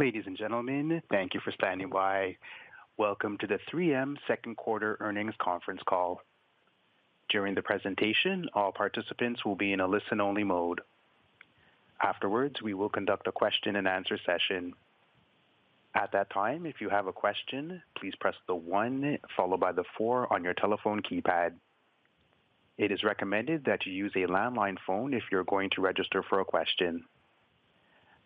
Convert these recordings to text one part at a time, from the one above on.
Ladies and gentlemen, thank you for standing by. Welcome to the 3M second-quarter earnings conference call. During the presentation, all participants will be in a listen-only mode. Afterwards, we will conduct a question-and-answer session. At that time, if you have a question, please press the one followed by the four on your telephone keypad. It is recommended that you use a landline phone if you're going to register for a question.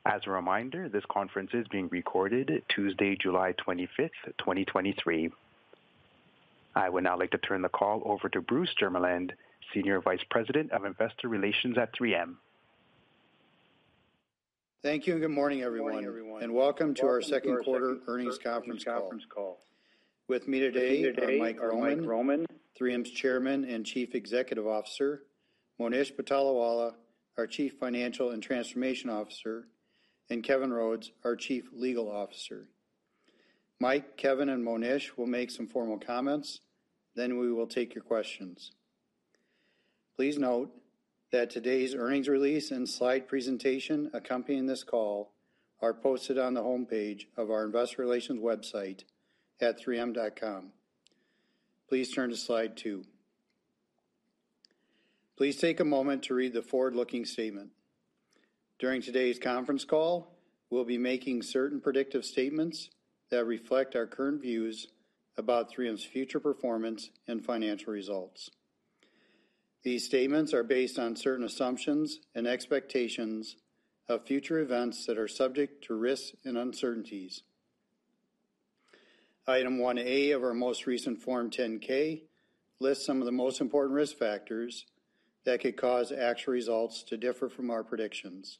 As a reminder, this conference is being recorded Tuesday, July 25th, 2023. I would now like to turn the call over to Bruce Jermeland, Senior Vice President of Investor Relations at 3M. Thank you. Good morning, everyone, and welcome to our second quarter earnings conference call. With me today are Mike Roman, 3M's Chairman and Chief Executive Officer, Monish Patolawala, our Chief Financial and Transformation Officer, and Kevin Rhodes, our Chief Legal Officer. Mike, Kevin, and Monish will make some formal comments, then we will take your questions. Please note that today's earnings release and slide presentation accompanying this call are posted on the homepage of our investor relations website at 3m.com. Please turn to slide two. Please take a moment to read the forward-looking statement. During today's conference call, we'll be making certain predictive statements that reflect our current views about 3M's future performance and financial results. These statements are based on certain assumptions and expectations of future events that are subject to risks and uncertainties. Item 1A of our most recent Form 10-K lists some of the most important risk factors that could cause actual results to differ from our predictions.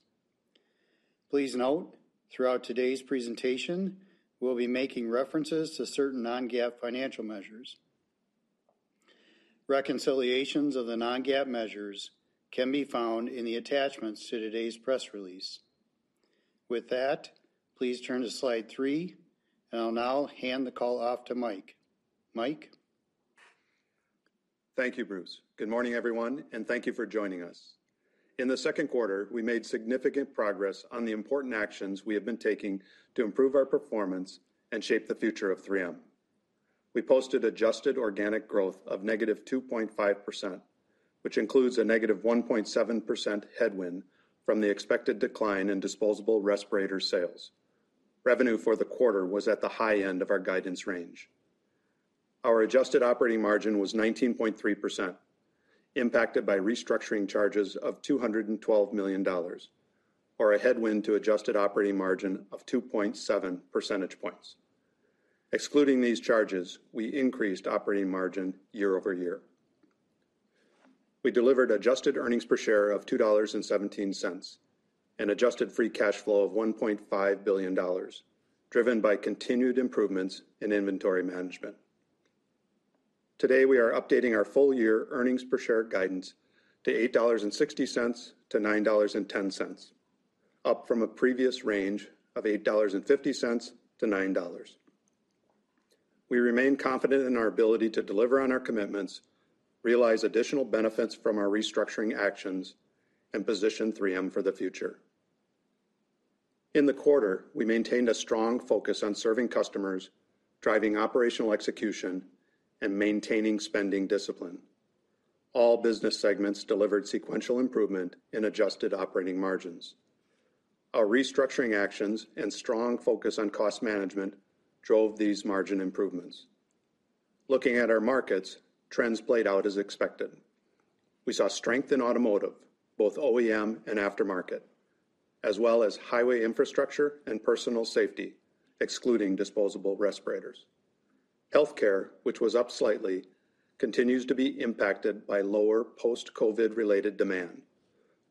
Please note, throughout today's presentation, we'll be making references to certain non-GAAP financial measures. Reconciliations of the non-GAAP measures can be found in the attachments to today's press release. With that, please turn to slide three, and I'll now hand the call off to Mike. Mike? Thank you, Bruce. Good morning, everyone, and thank you for joining us. In the second quarter, we made significant progress on the important actions we have been taking to improve our performance and shape the future of 3M. We posted adjusted organic growth of -2.5%, which includes a -1.7% headwind from the expected decline in disposable respirator sales. Revenue for the quarter was at the high end of our guidance range. Our adjusted operating margin was 19.3%, impacted by restructuring charges of $212 million, or a headwind to adjusted operating margin of 2.7 percentage points. Excluding these charges, we increased operating margin year-over-year. We delivered adjusted earnings per share of $2.17, and adjusted free cash flow of $1.5 billion, driven by continued improvements in inventory management. Today, we are updating our full-year earnings per share guidance to $8.60-$9.10, up from a previous range of $8.50-$9.00. We remain confident in our ability to deliver on our commitments, realize additional benefits from our restructuring actions, and position 3M for the future. In the quarter, we maintained a strong focus on serving customers, driving operational execution, and maintaining spending discipline. All business segments delivered sequential improvement in adjusted operating margins. Our restructuring actions and strong focus on cost management drove these margin improvements. Looking at our markets, trends played out as expected. We saw strength in automotive, both OEM and aftermarket, as well as highway infrastructure and personal safety, excluding disposable respirators. Health Care, which was up slightly, continues to be impacted by lower post-COVID related demand,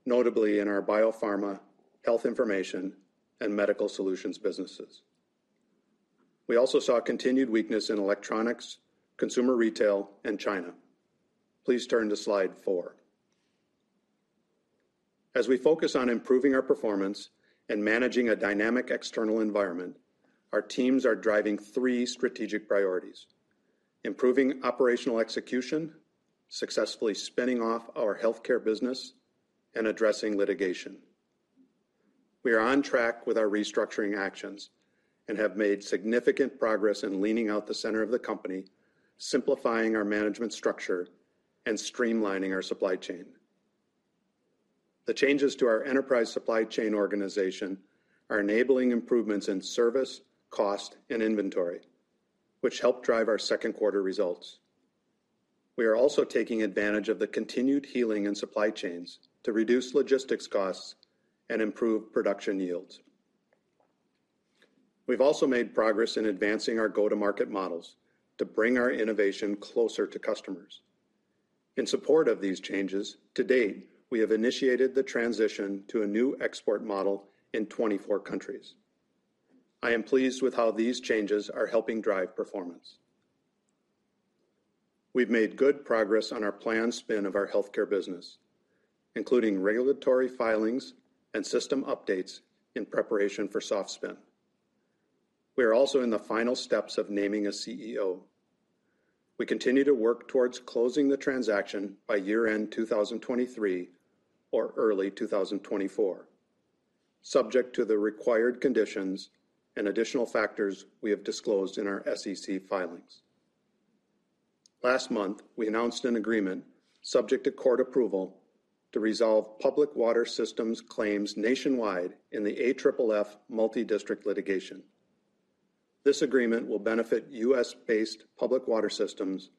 notably in our biopharma, health information, and medical solutions businesses. We also saw continued weakness in electronics, consumer retail, and China. Please turn to slide four. As we focus on improving our performance and managing a dynamic external environment, our teams are driving three strategic priorities: improving operational execution, successfully spinning off our Health Care business, and addressing litigation. We are on track with our restructuring actions and have made significant progress in leaning out the center of the company, simplifying our management structure, and streamlining our supply chain. The changes to our enterprise supply chain organization are enabling improvements in service, cost, and inventory, which helped drive our second quarter results. We are also taking advantage of the continued healing in supply chains to reduce logistics costs and improve production yields. We've also made progress in advancing our go-to-market models to bring our innovation closer to customers. In support of these changes, to date, we have initiated the transition to a new export model in 24 countries. I am pleased with how these changes are helping drive performance. We've made good progress on our planned spin of our Health Care business, including regulatory filings and system updates in preparation for soft spin. We are also in the final steps of naming a CEO. We continue to work towards closing the transaction by year-end 2023 or early 2024, subject to the required conditions and additional factors we have disclosed in our SEC filings. Last month, we announced an agreement, subject to court approval, to resolve public water systems claims nationwide in the AFFF multidistrict litigation. This agreement will benefit U.S.-based public water systems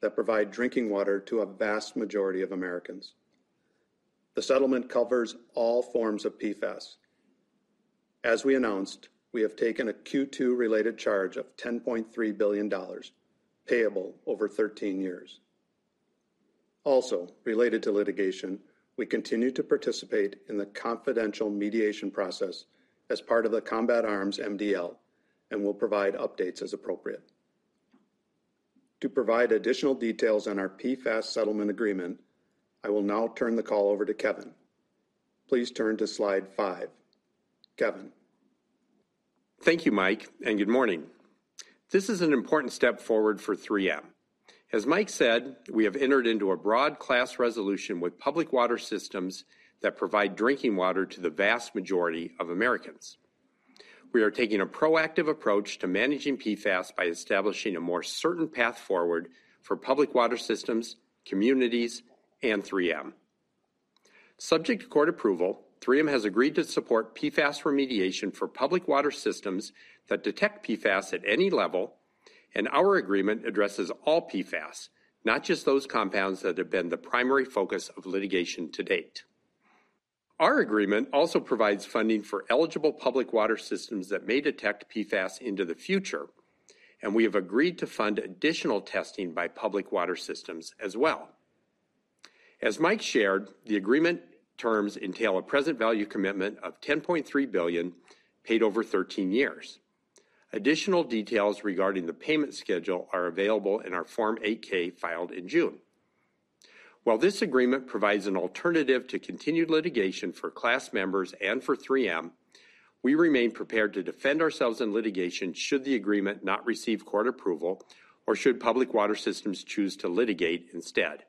that provide drinking water to a vast majority of Americans. The settlement covers all forms of PFAS. As we announced, we have taken a Q2-related charge of $10.3 billion, payable over 13 years. Related to litigation, we continue to participate in the confidential mediation process as part of the combat arms MDL and will provide updates as appropriate. To provide additional details on our PFAS settlement agreement, I will now turn the call over to Kevin. Please turn to slide five. Kevin? Thank you, Mike, and good morning. This is an important step forward for 3M. As Mike said, we have entered into a broad class resolution with public water systems that provide drinking water to the vast majority of Americans. We are taking a proactive approach to managing PFAS by establishing a more certain path forward for public water systems, communities, and 3M. Subject to court approval, 3M has agreed to support PFAS remediation for public water systems that detect PFAS at any level, and our agreement addresses all PFAS, not just those compounds that have been the primary focus of litigation to date. Our agreement also provides funding for eligible public water systems that may detect PFAS into the future, and we have agreed to fund additional testing by public water systems as well. As Mike shared, the agreement terms entail a present value commitment of $10.3 billion, paid over 13 years. Additional details regarding the payment schedule are available in our Form 8-K, filed in June. While this agreement provides an alternative to continued litigation for class members and for 3M, we remain prepared to defend ourselves in litigation should the agreement not receive court approval or should public water systems choose to litigate instead.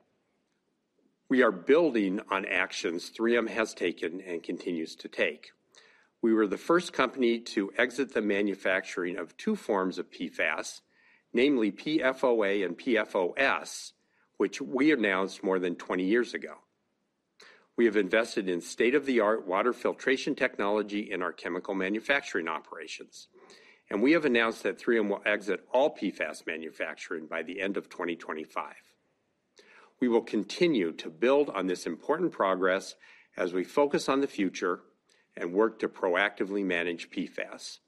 We are building on actions 3M has taken and continues to take. We were the first company to exit the manufacturing of two forms of PFAS, namely PFOA and PFOS, which we announced more than 20 years ago. We have invested in state-of-the-art water filtration technology in our chemical manufacturing operations, and we have announced that 3M will exit all PFAS manufacturing by the end of 2025. We will continue to build on this important progress as we focus on the future and work to proactively manage PFAS.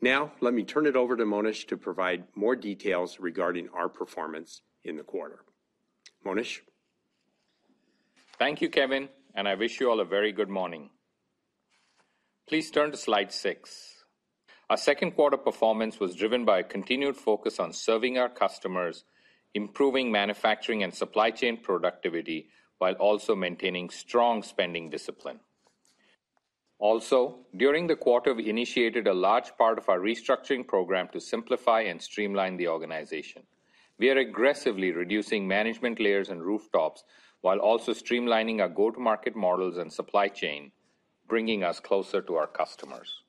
Now, let me turn it over to Monish to provide more details regarding our performance in the quarter. Monish? Thank you, Kevin, and I wish you all a very good morning. Please turn to slide six. Our second quarter performance was driven by a continued focus on serving our customers, improving manufacturing and supply chain productivity, while also maintaining strong spending discipline. During the quarter, we initiated a large part of our restructuring program to simplify and streamline the organization. We are aggressively reducing management layers and rooftops, while also streamlining our go-to-market models and supply chain, bringing us closer to our customers.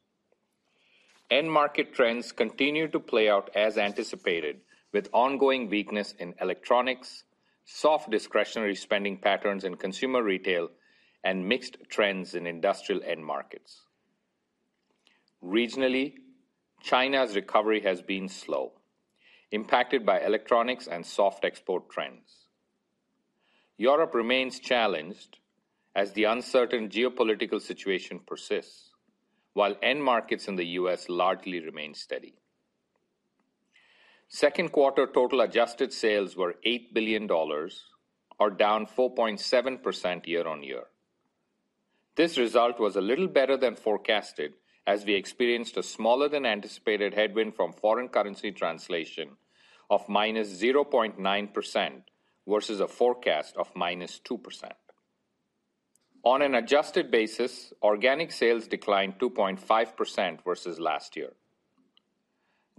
End market trends continue to play out as anticipated, with ongoing weakness in electronics, soft discretionary spending patterns in consumer retail, and mixed trends in industrial end markets. Regionally, China's recovery has been slow, impacted by electronics and soft export trends. Europe remains challenged as the uncertain geopolitical situation persists, while end markets in the U.S. largely remain steady. Second quarter total adjusted sales were $8 billion or down 4.7% year-on-year. This result was a little better than forecasted, as we experienced a smaller than anticipated headwind from foreign currency translation of -0.9% versus a forecast of -2%. On an adjusted basis, organic sales declined 2.5% versus last year.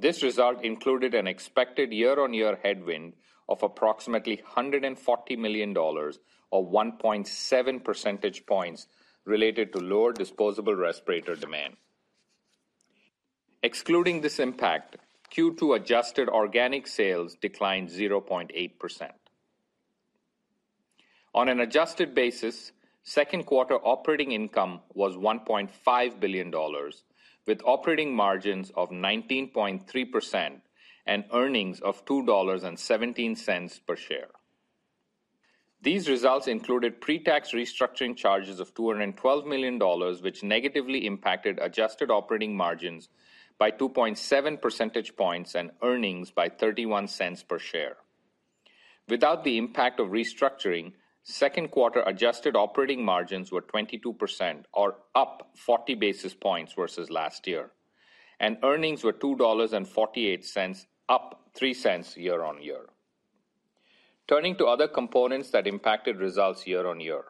This result included an expected year-on-year headwind of approximately $140 million, or 1.7 percentage points, related to lower disposable respirator demand. Excluding this impact, Q2 adjusted organic sales declined 0.8%. On an adjusted basis, second quarter operating income was $1.5 billion, with operating margins of 19.3% and earnings of $2.17 per share. These results included pre-tax restructuring charges of $212 million, which negatively impacted adjusted operating margins by 2.7 percentage points and earnings by $0.31 per share. Without the impact of restructuring, second quarter adjusted operating margins were 22%, or up 40 basis points versus last year, and earnings were $2.48, up $0.03 year-on-year. Turning to other components that impacted results year-on-year.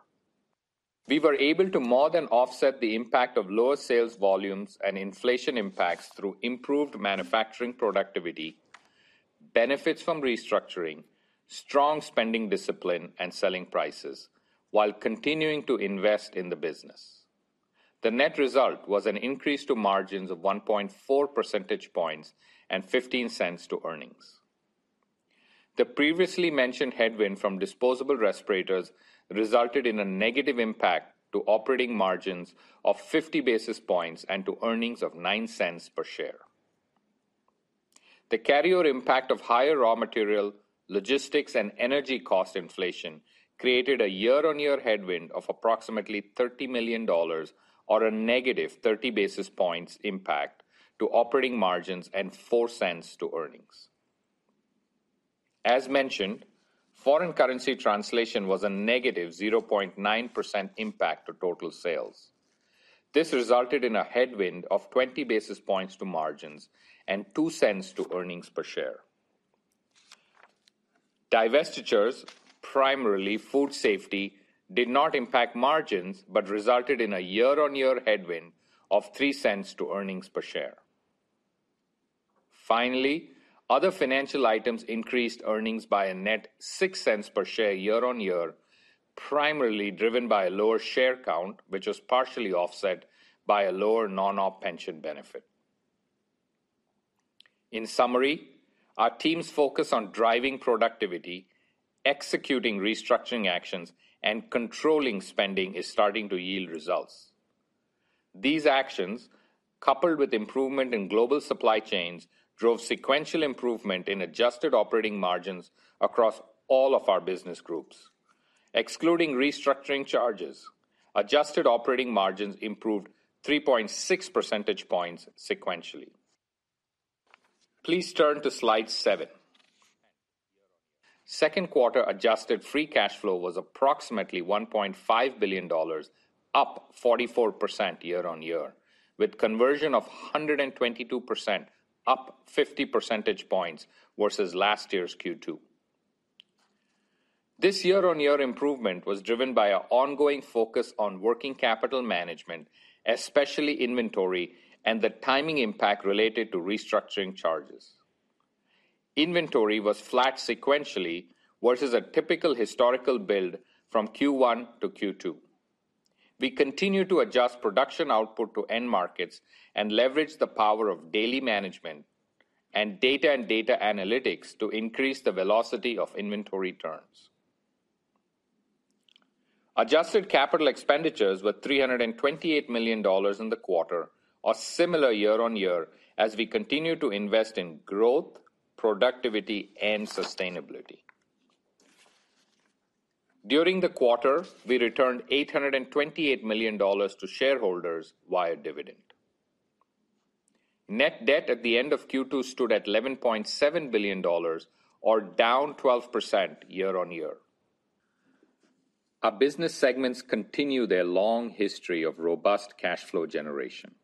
We were able to more than offset the impact of lower sales volumes and inflation impacts through improved manufacturing productivity, benefits from restructuring, strong spending discipline, and selling prices, while continuing to invest in the business. The net result was an increase to margins of 1.4 percentage points and $0.15 to earnings. The previously mentioned headwind from disposable respirators resulted in a negative impact to operating margins of 50 basis points and to earnings of $0.09 per share. The carryover impact of higher raw material, logistics, and energy cost inflation created a year-on-year headwind of approximately $30 million or a -30 basis points impact to operating margins and $0.04 to earnings. As mentioned, foreign currency translation was a -0.9% impact to total sales. This resulted in a headwind of 20 basis points to margins and $0.02 to earnings per share. Divestitures, primarily food safety, did not impact margins, but resulted in a year-on-year headwind of $0.03 to earnings per share. Finally, other financial items increased earnings by a net $0.06 per share year-on-year, primarily driven by a lower share count, which was partially offset by a lower non-op pension benefit. In summary, our team's focus on driving productivity, executing restructuring actions, and controlling spending is starting to yield results. These actions, coupled with improvement in global supply chains, drove sequential improvement in adjusted operating margins across all of our business groups. Excluding restructuring charges, adjusted operating margins improved 3.6 percentage points sequentially. Please turn to slide seven. Second quarter adjusted free cash flow was approximately $1.5 billion, up 44% year-on-year, with conversion of 122, up 50 percentage points versus last year's Q2. This year-on-year improvement was driven by our ongoing focus on working capital management, especially inventory, and the timing impact related to restructuring charges. Inventory was flat sequentially versus a typical historical build from Q1 to Q2. We continue to adjust production output to end markets and leverage the power of daily management and data and data analytics to increase the velocity of inventory turns. Adjusted capital expenditures were $328 million in the quarter, or similar year-on-year, as we continue to invest in growth, productivity, and sustainability. During the quarter, we returned $828 million to shareholders via dividend. Net debt at the end of Q2 stood at $11.7 billion, or down 12% year-on-year. Our business segments continue their long history of robust cash flow generation.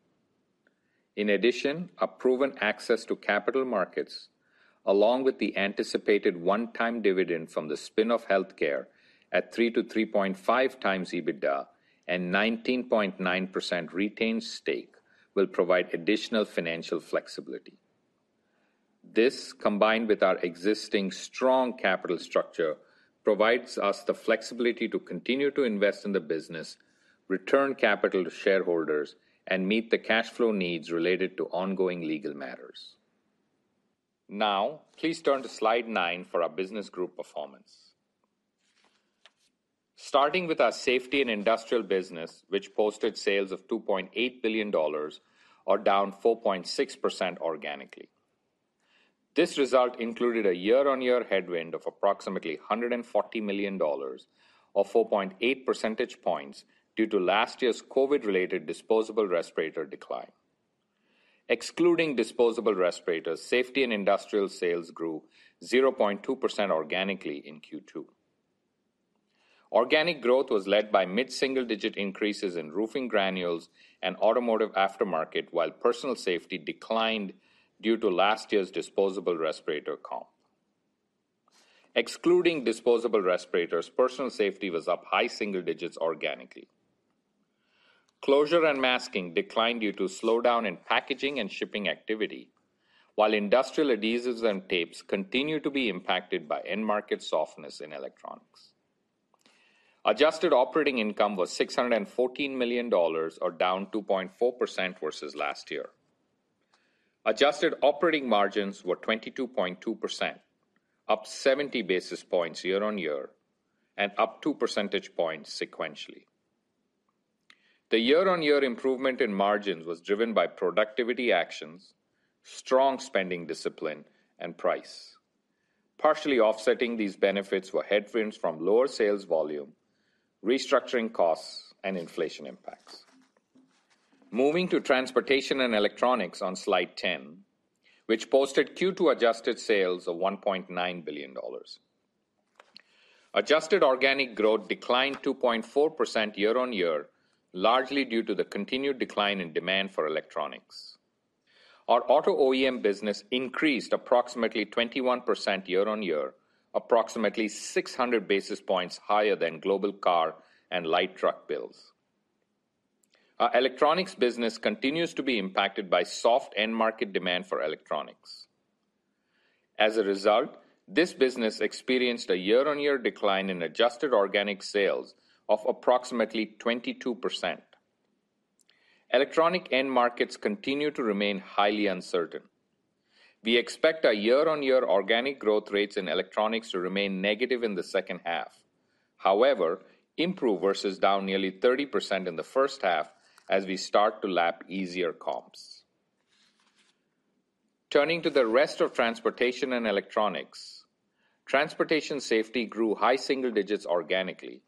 In addition, our proven access to capital markets, along with the anticipated one-time dividend from the spin of Health Care at 3x-3.5x EBITDA and 19.9% retained stake, will provide additional financial flexibility. This, combined with our existing strong capital structure, provides us the flexibility to continue to invest in the business, return capital to shareholders, and meet the cash flow needs related to ongoing legal matters. Please turn to slide nine for our business group performance. Starting with our Safety and Industrial business, which posted sales of $2.8 billion, or down 4.6% organically. This result included a year-on-year headwind of approximately $140 million, or 4.8 percentage points, due to last year's COVID-related disposable respirator decline. Excluding disposable respirators, Safety and Industrial sales grew 0.2% organically in Q2. Organic growth was led by mid-single-digit increases in roofing granules and automotive aftermarket, while personal safety declined due to last year's disposable respirator comp. Excluding disposable respirators, personal safety was up high single digits organically. Closure and masking declined due to slowdown in packaging and shipping activity, while industrial adhesives and tapes continued to be impacted by end market softness in electronics. Adjusted operating income was $614 million, or down 2.4% versus last year. Adjusted operating margins were 22.2%, up 70 basis points year-on-year and up 2 percentage points sequentially. The year-on-year improvement in margins was driven by productivity actions, strong spending discipline, and price. Partially offsetting these benefits were headwinds from lower sales volume, restructuring costs, and inflation impacts. Moving to transportation and electronics on slide 10, which posted Q2 adjusted sales of $1.9 billion. Adjusted organic growth declined 2.4% year-on-year, largely due to the continued decline in demand for electronics. Our auto OEM business increased approximately 21% year-on-year, approximately 600 basis points higher than global car and light truck builds. Our electronics business continues to be impacted by soft end market demand for electronics. As a result, this business experienced a year-on-year decline in adjusted organic sales of approximately 22%. Electronic end markets continue to remain highly uncertain. We expect our year-on-year organic growth rates in electronics to remain negative in the second half. However, improve versus down nearly 30% in the first half as we start to lap easier comps. Turning to the rest of transportation and electronics, transportation safety grew high single digits organically,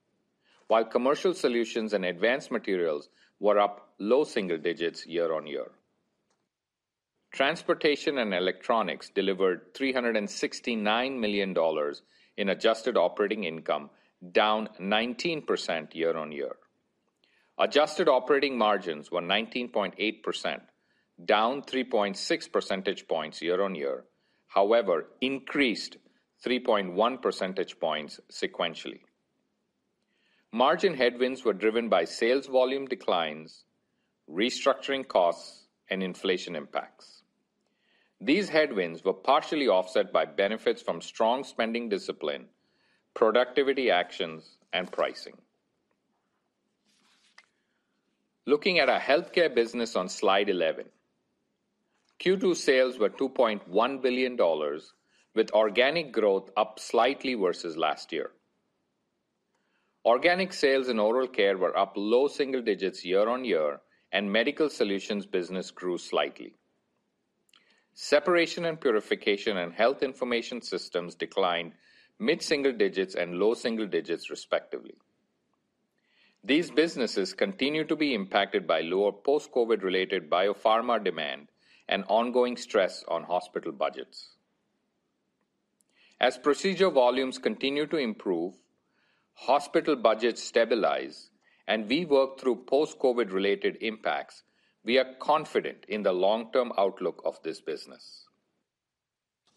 while commercial solutions and advanced materials were up low single digits year-on-year. Transportation and electronics delivered $369 million in adjusted operating income, down 19% year-on-year. Adjusted operating margins were 19.8%, down 3.6 percentage points year-on-year, however, increased 3.1 percentage points sequentially. Margin headwinds were driven by sales volume declines, restructuring costs, and inflation impacts. These headwinds were partially offset by benefits from strong spending discipline, productivity actions, and pricing. Looking at our Health Care business on slide 11, Q2 sales were $2.1 billion, with organic growth up slightly versus last year. Organic sales in oral care were up low single digits year-on-year, and medical solutions business grew slightly. Separation and purification and Health Information Systems declined mid-single digits and low single digits, respectively. These businesses continue to be impacted by lower post-COVID related biopharma demand and ongoing stress on hospital budgets. As procedure volumes continue to improve, hospital budgets stabilize, and we work through post-COVID related impacts, we are confident in the long-term outlook of this business.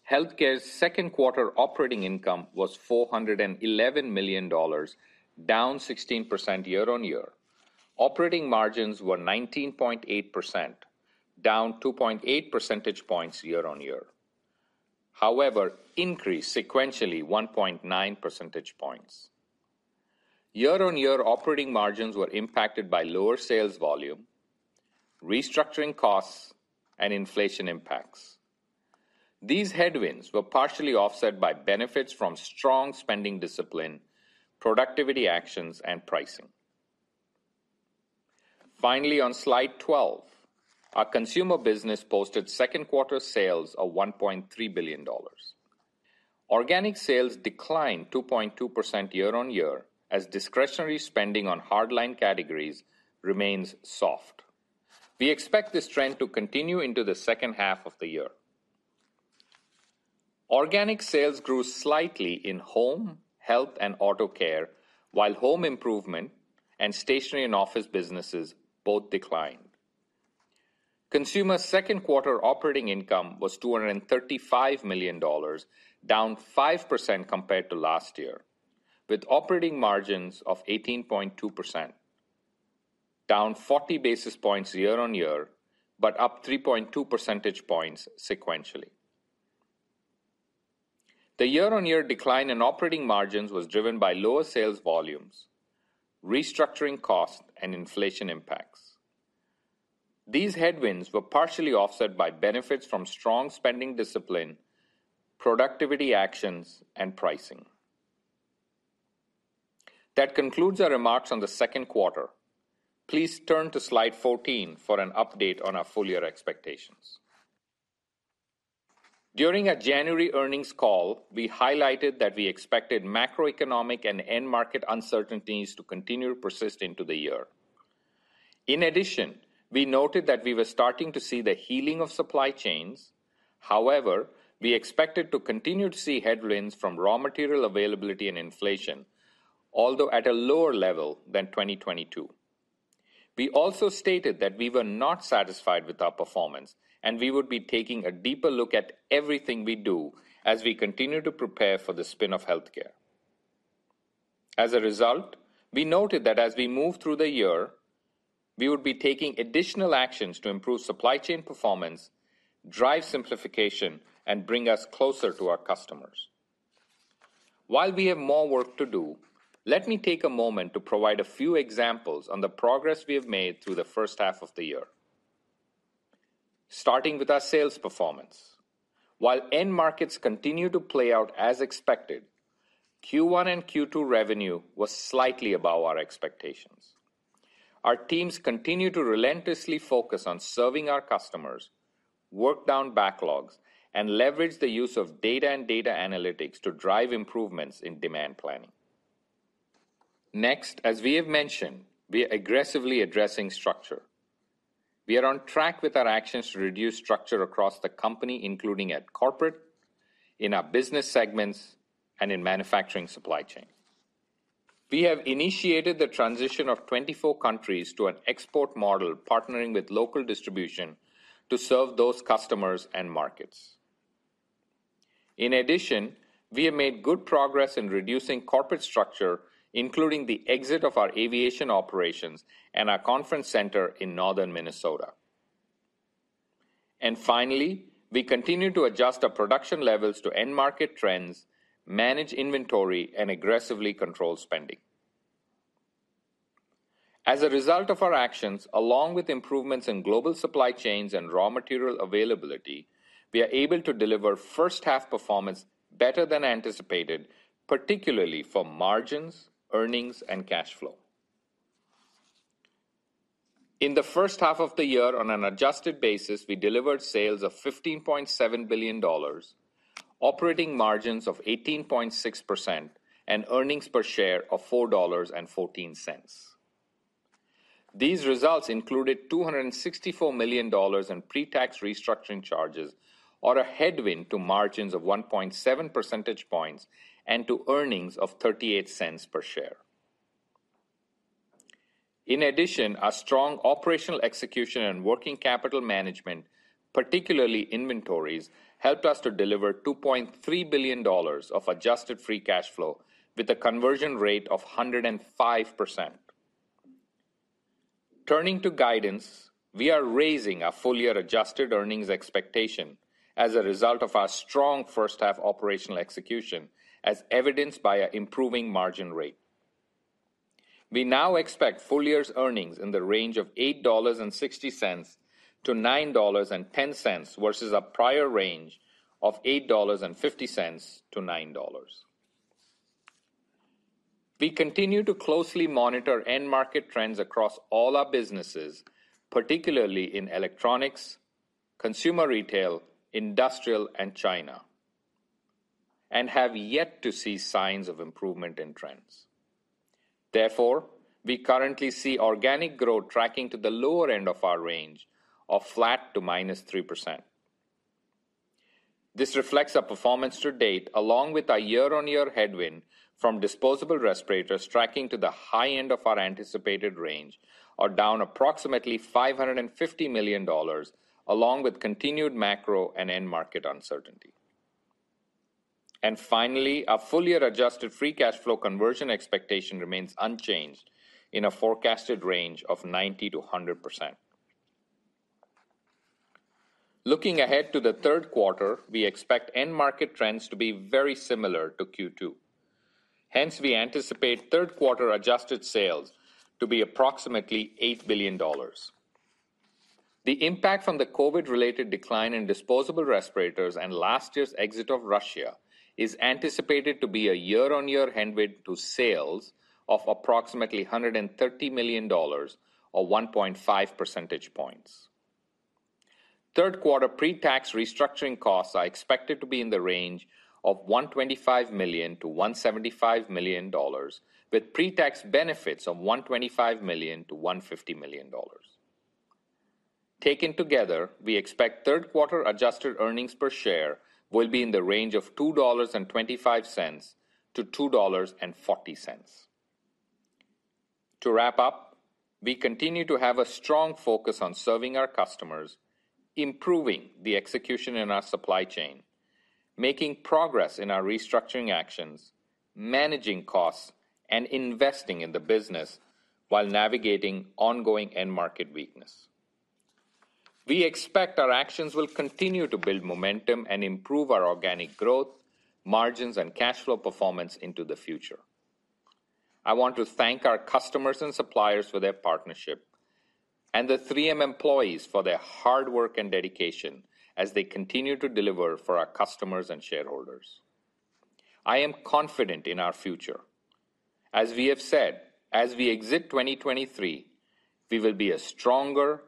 Health Care's second quarter operating income was $411 million, down 16% year-on-year. Operating margins were 19.8%, down 2.8 percentage points year-on-year. Increased sequentially 1.9 percentage points. Year-on-year operating margins were impacted by lower sales volume, restructuring costs, and inflation impacts. These headwinds were partially offset by benefits from strong spending discipline, productivity actions, and pricing. On slide 12, our consumer business posted second quarter sales of $1.3 billion. Organic sales declined 2.2% year-on-year, as discretionary spending on hard line categories remains soft. We expect this trend to continue into the second half of the year. Organic sales grew slightly in home, health, and auto care, while home improvement and stationary and office businesses both declined. Consumer second quarter operating income was $235 million, down 5% compared to last year, with operating margins of 18.2%, down 40 basis points year-on-year, up 3.2 percentage points sequentially. The year-on-year decline in operating margins was driven by lower sales volumes, restructuring costs, and inflation impacts. These headwinds were partially offset by benefits from strong spending discipline, productivity actions, and pricing. That concludes our remarks on the second quarter. Please turn to slide 14 for an update on our full year expectations. During our January earnings call, we highlighted that we expected macroeconomic and end market uncertainties to continue to persist into the year. In addition, we noted that we were starting to see the healing of supply chains. We expected to continue to see headwinds from raw material availability and inflation, although at a lower level than 2022. We also stated that we were not satisfied with our performance, and we would be taking a deeper look at everything we do as we continue to prepare for the spin of Health Care. As a result, we noted that as we move through the year, we would be taking additional actions to improve supply chain performance, drive simplification, and bring us closer to our customers. While we have more work to do, let me take a moment to provide a few examples on the progress we have made through the first half of the year. Starting with our sales performance. While end markets continue to play out as expected, Q1 and Q2 revenue was slightly above our expectations. Our teams continue to relentlessly focus on serving our customers, work down backlogs, and leverage the use of data and data analytics to drive improvements in demand planning. Next, as we have mentioned, we are aggressively addressing structure. We are on track with our actions to reduce structure across the company, including at corporate, in our business segments, and in manufacturing supply chain. We have initiated the transition of 24 countries to an export model, partnering with local distribution to serve those customers and markets. In addition, we have made good progress in reducing corporate structure, including the exit of our aviation operations and our conference center in northern Minnesota. Finally, we continue to adjust our production levels to end market trends, manage inventory, and aggressively control spending. As a result of our actions, along with improvements in global supply chains and raw material availability, we are able to deliver first half performance better than anticipated, particularly for margins, earnings, and cash flow. In the first half of the year, on an adjusted basis, we delivered sales of $15.7 billion, operating margins of 18.6%, and earnings per share of $4.14. These results included $264 million in pre-tax restructuring charges, or a headwind to margins of 1.7 percentage points and to earnings of $0.38 per share. In addition, our strong operational execution and working capital management, particularly inventories, helped us to deliver $2.3 billion of adjusted free cash flow with a conversion rate of 105%. Turning to guidance, we are raising our full-year adjusted earnings expectation as a result of our strong first half operational execution, as evidenced by an improving margin rate. We now expect full year's earnings in the range of $8.60-$9.10, versus a prior range of $8.50-$9.00. We continue to closely monitor end market trends across all our businesses, particularly in electronics, consumer retail, industrial, and China, and have yet to see signs of improvement in trends. We currently see organic growth tracking to the lower end of our range of flat to -3%. This reflects our performance to date, along with our year-on-year headwind from disposable respirators, tracking to the high end of our anticipated range, or down approximately $550 million, along with continued macro and end market uncertainty. Finally, our full-year adjusted free cash flow conversion expectation remains unchanged in a forecasted range of 90%-100%. Looking ahead to the third quarter, we expect end market trends to be very similar to Q2. We anticipate third quarter adjusted sales to be approximately $8 billion. The impact from the COVID-related decline in disposable respirators and last year's exit of Russia is anticipated to be a year-on-year headwind to sales of approximately $130 million or 1.5 percentage points. third quarter pre-tax restructuring costs are expected to be in the range of $125 million-$175 million, with pre-tax benefits of $125 million-$150 million. Taken together, we expect third quarter adjusted earnings per share will be in the range of $2.25-$2.40. To wrap up, we continue to have a strong focus on serving our customers, improving the execution in our supply chain, making progress in our restructuring actions, managing costs, and investing in the business while navigating ongoing end market weakness. We expect our actions will continue to build momentum and improve our organic growth, margins, and cash flow performance into the future. I want to thank our customers and suppliers for their partnership and the 3M employees for their hard work and dedication as they continue to deliver for our customers and shareholders. I am confident in our future. As we have said, as we exit 2023, we will be a stronger,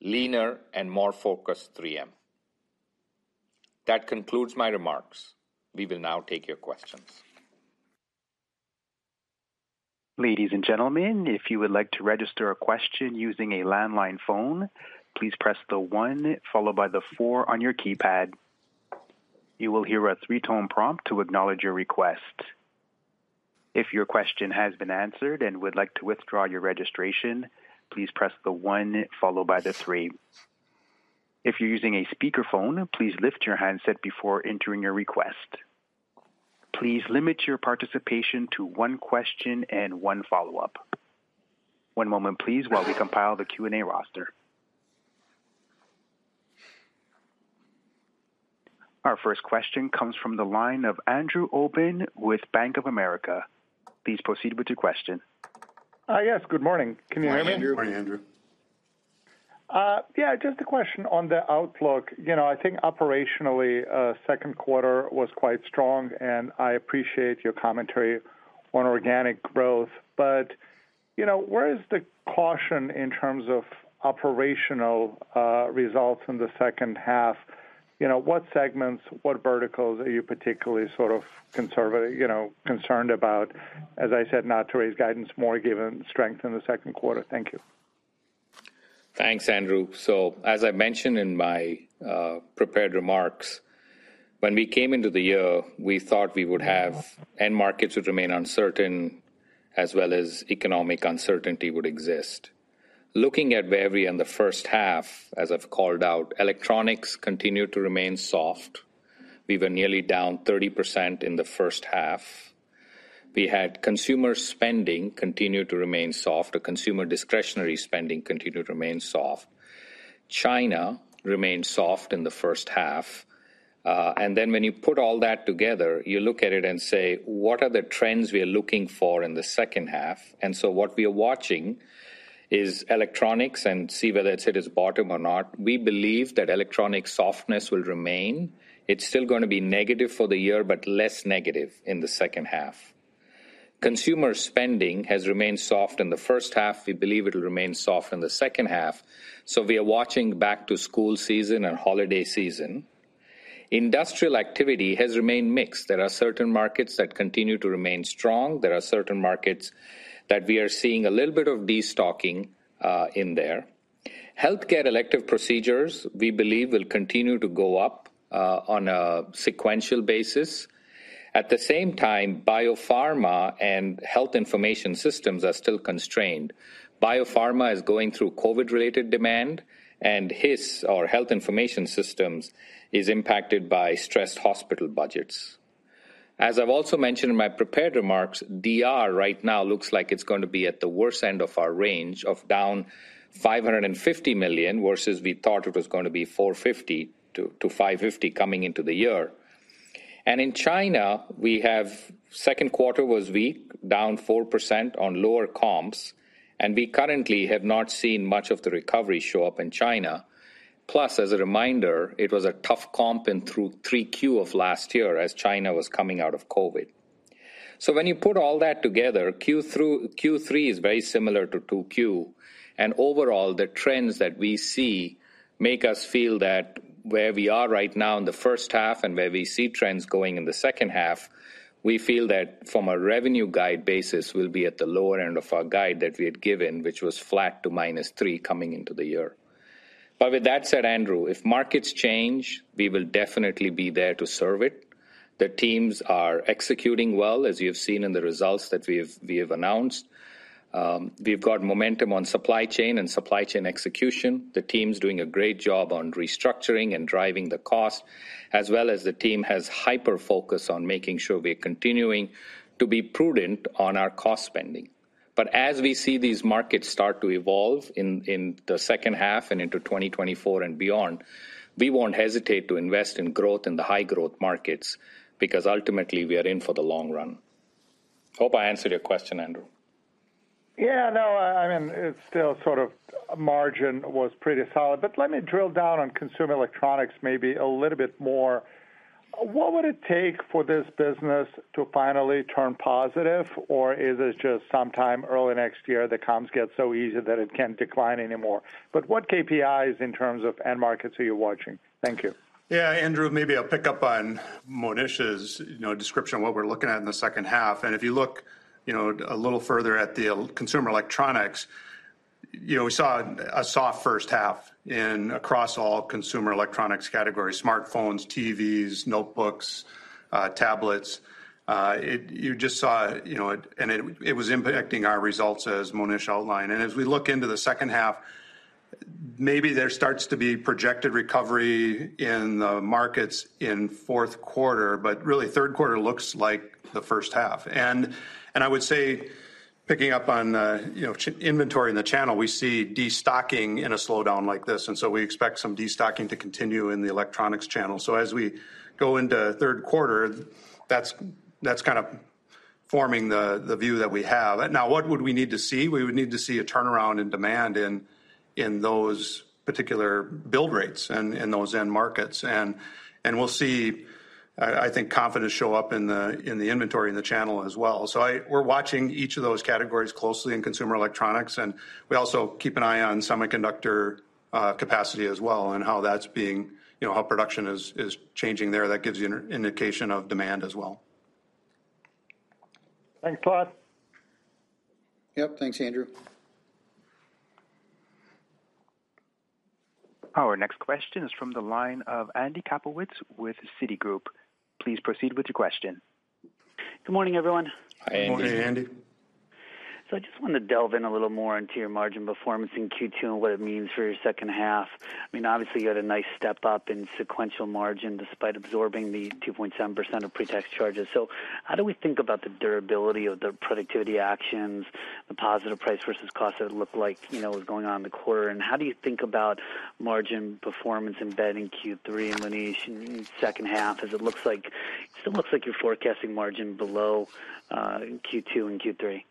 leaner, and more focused 3M. That concludes my remarks. We will now take your questions. Ladies and gentlemen, if you would like to register a question using a landline phone, please press one followed by four on your keypad. You will hear a three-tone prompt to acknowledge your request. If your question has been answered and would like to withdraw your registration, please press one followed by three. If you're using a speakerphone, please lift your handset before entering your request. Please limit your participation to one question and one follow-up. One moment, please, while we compile the Q&A roster. Our first question comes from the line of Andrew Obin with Bank of America. Please proceed with your question. Yes, good morning. Can you hear me? Good morning, Andrew. Yeah, just a question on the outlook. You know, I think operationally, second quarter was quite strong, and I appreciate your commentary on organic growth. You know, where is the caution in terms of operational results in the second half? You know, what segments, what verticals are you particularly sort of conservative, you know, concerned about, as I said, not to raise guidance more given strength in the second quarter? Thank you. Thanks, Andrew. As I mentioned in my prepared remarks, when we came into the year, we thought end markets would remain uncertain, as well as economic uncertainty would exist. Looking at where we are in the first half, as I've called out, electronics continued to remain soft. We were nearly down 30% in the first half. We had consumer spending continue to remain soft, or consumer discretionary spending continued to remain soft. China remained soft in the first half. When you put all that together, you look at it and say, What are the trends we are looking for in the second half? What we are watching is electronics and see whether it hit its bottom or not. We believe that electronic softness will remain. It's still going to be negative for the year. Less negative in the second half. Consumer spending has remained soft in the first half. We believe it'll remain soft in the second half. We are watching back to school season and holiday season. Industrial activity has remained mixed. There are certain markets that continue to remain strong. There are certain markets that we are seeing a little bit of destocking in there. Healthcare elective procedures, we believe, will continue to go up on a sequential basis. At the same time, biopharma and health information systems are still constrained. Biopharma is going through COVID-related demand. HIS, or health information systems, is impacted by stressed hospital budgets. As I've also mentioned in my prepared remarks, DR right now looks like it's going to be at the worst end of our range of down $550 million, versus we thought it was going to be $450 million-$550 million coming into the year. In China, we have second quarter was weak, down 4% on lower comps, and we currently have not seen much of the recovery show up in China. As a reminder, it was a tough comp in through 3Q of last year as China was coming out of COVID. When you put all that together, Q3 is very similar to 2Q. Overall, the trends that we see make us feel that where we are right now in the first half and where we see trends going in the second half, we feel that from a revenue guide basis, we'll be at the lower end of our guide that we had given, which was flat to -3% coming into the year. With that said, Andrew, if markets change, we will definitely be there to serve it. The teams are executing well, as you've seen in the results that we have announced. We've got momentum on supply chain and supply chain execution. The team's doing a great job on restructuring and driving the cost, as well as the team has hyperfocus on making sure we are continuing to be prudent on our cost spending. As we see these markets start to evolve in the second half and into 2024 and beyond, we won't hesitate to invest in growth in the high-growth markets, because ultimately, we are in for the long run. Hope I answered your question, Andrew. Yeah, no, I mean, it's still sort of margin was pretty solid, but let me drill down on consumer electronics maybe a little bit more. What would it take for this business to finally turn positive, or is it just sometime early next year, the comps get so easy that it can't decline anymore? What KPIs in terms of end markets are you watching? Thank you. Yeah, Andrew, maybe I'll pick up on Monish's, you know, description of what we're looking at in the second half. If you look, you know, a little further at the consumer electronics, you know, we saw a soft first half in across all consumer electronics categories: smartphones, TVs, notebooks, tablets. You just saw, you know, and it was impacting our results, as Monish outlined. As we look into the second half, maybe there starts to be projected recovery in the markets in fourth quarter, but really, third quarter looks like the first half. I would say, picking up on, you know, inventory in the channel, we see destocking in a slowdown like this, and so we expect some destocking to continue in the electronics channel. As we go into third quarter, that's kind of forming the view that we have. What would we need to see? We would need to see a turnaround in demand in those particular build rates and in those end markets. We'll see, I think, confidence show up in the inventory in the channel as well. We're watching each of those categories closely in consumer electronics, and we also keep an eye on semiconductor capacity as well, and how that's being, you know, how production is changing there. That gives you an indication of demand as well. Thanks, Mike. Yep. Thanks, Andrew. Our next question is from the line of Andy Kaplowitz with Citigroup. Please proceed with your question. Good morning, everyone. Hi, Andy. Morning, Andy. I just wanted to delve in a little more into your margin performance in Q2 and what it means for your second half. I mean, obviously, you had a nice step up in sequential margin despite absorbing the 2.7% of pre-tax charges. How do we think about the durability of the productivity actions, the positive price versus cost that it looked like, you know, was going on in the quarter? How do you think about margin performance embedded in Q3 and Monish, in second half, as it still looks like you're forecasting margin below Q2 and Q3?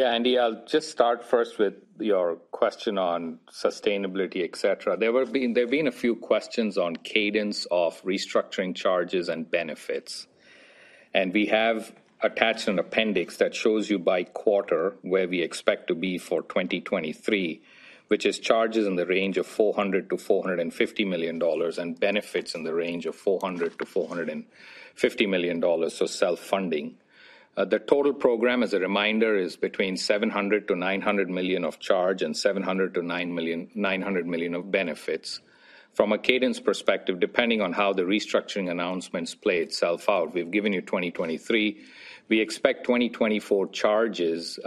Andy, I'll just start first with your question on sustainability, et cetera. There have been a few questions on cadence of restructuring charges and benefits. We have attached an appendix that shows you by quarter where we expect to be for 2023, which is charges in the range of $400 million-$450 million, and benefits in the range of $400 million-$450 million, so self-funding. The total program, as a reminder, is between $700 million-$900 million of charge and $700 million-$900 million of benefits. From a cadence perspective, depending on how the restructuring announcements play itself out, we've given you 2023. We expect 2024 charges,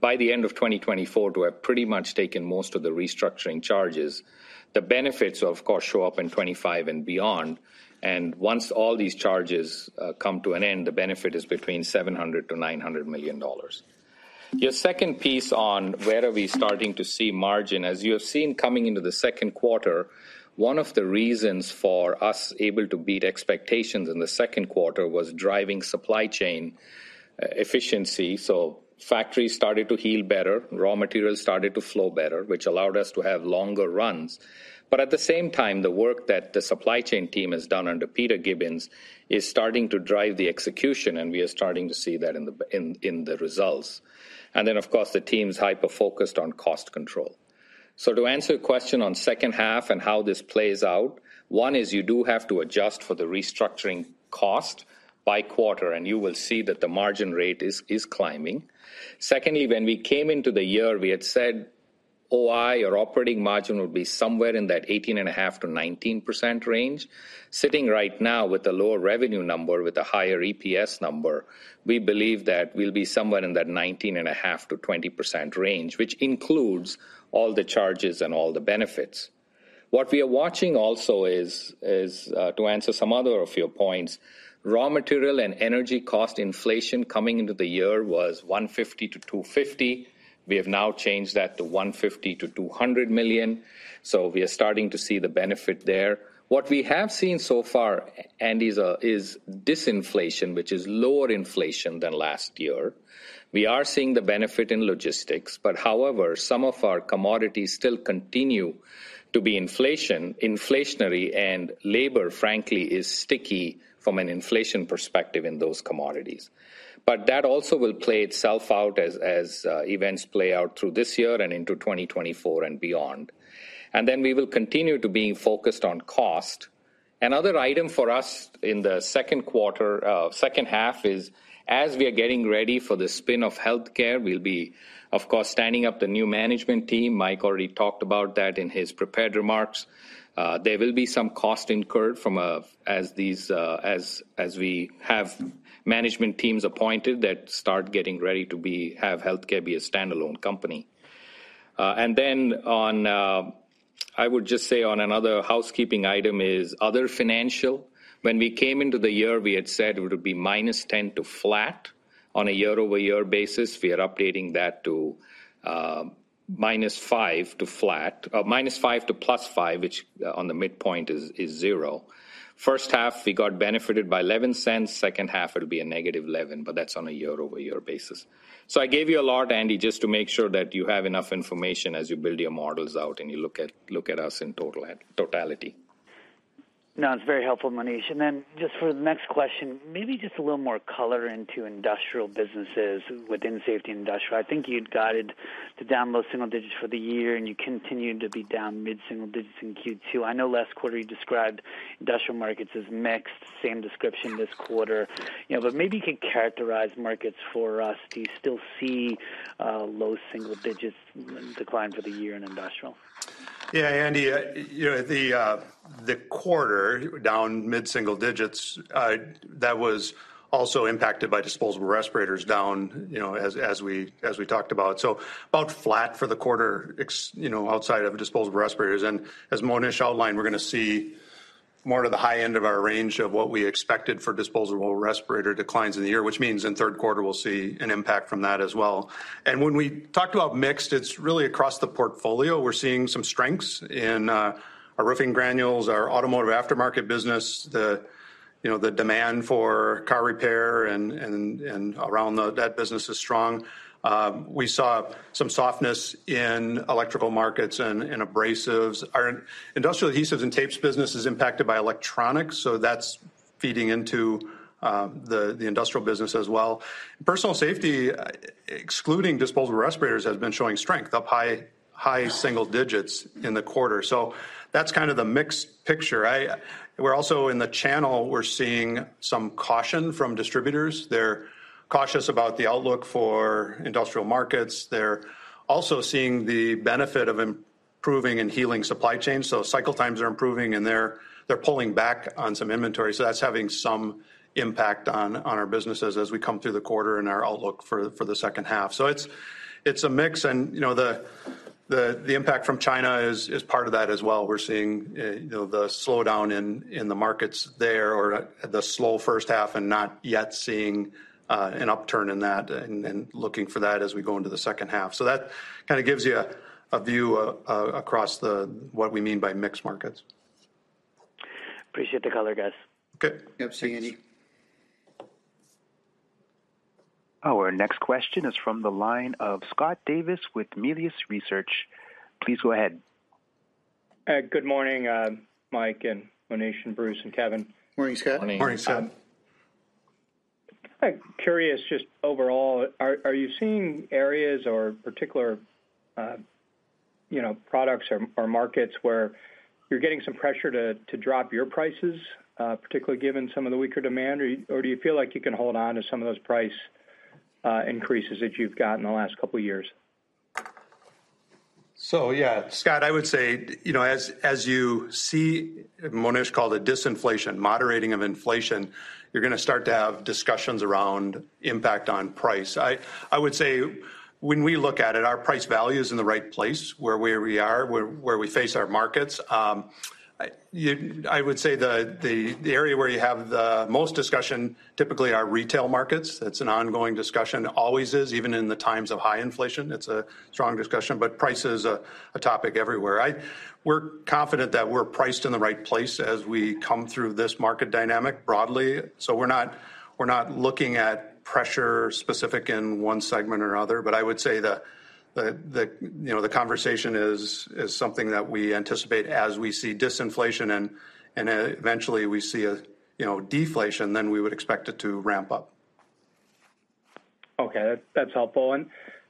by the end of 2024, to have pretty much taken most of the restructuring charges. The benefits, of course, show up in 2025 and beyond. Once all these charges come to an end, the benefit is between $700 million-$900 million. Your second piece on where are we starting to see margin? As you have seen coming into the second quarter, one of the reasons for us able to beat expectations in the second quarter was driving supply chain efficiency. Factories started to heal better, raw materials started to flow better, which allowed us to have longer runs. At the same time, the work that the supply chain team has done under Peter Gibbons is starting to drive the execution. We are starting to see that in the results. Of course, the team's hyper-focused on cost control. To answer your question on second half and how this plays out, one is you do have to adjust for the restructuring cost by quarter, and you will see that the margin rate is climbing. Secondly, when we came into the year, we had said OI or operating margin would be somewhere in that 18.5%-19% range. Sitting right now with a lower revenue number, with a higher EPS number, we believe that we'll be somewhere in that 19.5%-20% range, which includes all the charges and all the benefits. What we are watching also is to answer some other of your points, raw material and energy cost inflation coming into the year was $150 million-$250 million. We have now changed that to $150 million-$200 million. We are starting to see the benefit there. What we have seen so far, Andy, is disinflation, which is lower inflation than last year. We are seeing the benefit in logistics. However, some of our commodities still continue to be inflationary, and labor, frankly, is sticky from an inflation perspective in those commodities. That also will play itself out as events play out through this year and into 2024 and beyond. We will continue to being focused on cost. Another item for us in the second quarter, second half, is as we are getting ready for the spin of Health Care, we'll be, of course, standing up the new management team. Mike already talked about that in his prepared remarks. There will be some cost incurred from as we have management teams appointed that start getting ready to be, have Health Care be a standalone company. I would just say on another housekeeping item is other financial. When we came into the year, we had said it would be -$0.10 to flat on a year-over-year basis. We are updating that to -$0.05 to +$0.05, which on the midpoint is $0.00. First half, we got benefited by $0.11, second half it'll be -$0.11, that's on a year-over-year basis. I gave you a lot, Andy, just to make sure that you have enough information as you build your models out and you look at us in total and totality. No, it's very helpful, Manish. Just for the next question, maybe just a little more color into industrial businesses within Safety and Industrial. I think you'd guided the down low single digits for the year, and you continued to be down mid-single digits in Q2. I know last quarter you described industrial markets as mixed, same description this quarter. You know, maybe you can characterize markets for us. Do you still see low single digits decline for the year in industrial? Yeah, Andy, you know, the quarter down mid-single digits, that was also impacted by disposable respirators down, you know, as we talked about. About flat for the quarter, you know, outside of disposable respirators. As Manish outlined, we're gonna see more to the high end of our range of what we expected for disposable respirator declines in the year, which means in third quarter we'll see an impact from that as well. When we talked about mixed, it's really across the portfolio. We're seeing some strengths in our roofing granules, our automotive aftermarket business. The, you know, the demand for car repair and around that business is strong. We saw some softness in electrical markets and abrasives. Our industrial adhesives and tapes business is impacted by electronics. That's feeding into the industrial business as well. Personal safety, excluding disposable respirators, has been showing strength, up high, high single digits in the quarter. That's kind of the mixed picture. We're also in the channel, we're seeing some caution from distributors. They're cautious about the outlook for industrial markets. They're also seeing the benefit of improving and healing supply chain. Cycle times are improving, and they're pulling back on some inventory, so that's having some impact on our businesses as we come through the quarter and our outlook for the second half. It's a mix and, you know, the impact from China is part of that as well. We're seeing, you know, the slowdown in the markets there or the slow first half and not yet seeing, an upturn in that, and then looking for that as we go into the second half. That kind of gives you a view across the, what we mean by mixed markets. Appreciate the color, guys. Good. Yep. Thanks, Andy. Our next question is from the line of Scott Davis with Melius Research. Please go ahead. Good morning, Mike and Monish, and Bruce, and Kevin. Morning, Scott. Morning, Scott. Kind of curious, just overall, are you seeing areas or particular, you know, products or markets where you're getting some pressure to drop your prices, particularly given some of the weaker demand? Or do you feel like you can hold on to some of those price increases that you've got in the last couple of years? Yeah, Scott, I would say, you know, as you see, Monish called it disinflation, moderating of inflation, you're going to start to have discussions around impact on price. I would say when we look at it, our price value is in the right place, where we are, where we face our markets. I would say the area where you have the most discussion, typically, are retail markets. It's an ongoing discussion, always is, even in the times of high inflation, it's a strong discussion, but price is a topic everywhere. We're confident that we're priced in the right place as we come through this market dynamic broadly. We're not looking at pressure specific in one segment or other, but I would say the, you know, the conversation is something that we anticipate as we see disinflation and eventually we see a, you know, deflation, then we would expect it to ramp up. Okay, that's helpful.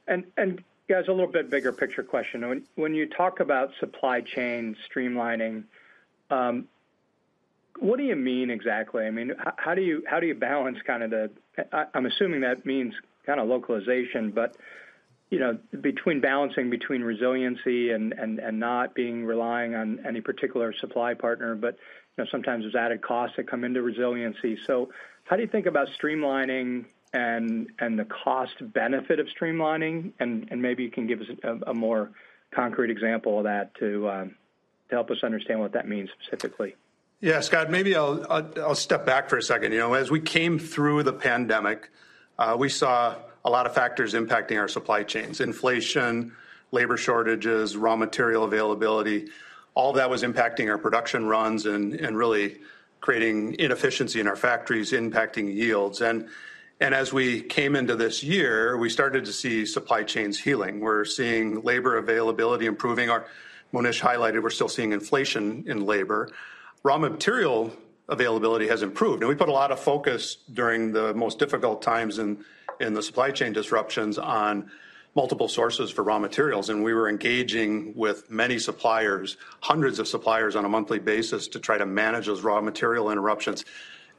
Guys, a little bit bigger picture question. When you talk about supply chain streamlining, what do you mean exactly? I mean, how do you balance kind of the... I'm assuming that means kinda localization, but, you know, between balancing between resiliency and not being relying on any particular supply partner, but, you know, sometimes there's added costs that come into resiliency. How do you think about streamlining and the cost benefit of streamlining? Maybe you can give us a more concrete example of that to help us understand what that means specifically. Scott, maybe I'll step back for a second. You know, as we came through the pandemic, we saw a lot of factors impacting our supply chains: inflation, labor shortages, raw material availability. All that was impacting our production runs and really creating inefficiency in our factories, impacting yields. As we came into this year, we started to see supply chains healing. We're seeing labor availability improving. Monish highlighted, we're still seeing inflation in labor. Raw material availability has improved, and we put a lot of focus during the most difficult times in the supply chain disruptions on multiple sources for raw materials, and we were engaging with many suppliers, hundreds of suppliers on a monthly basis, to try to manage those raw material interruptions.